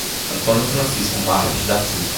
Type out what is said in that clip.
Antônio Francisco Marques da Silva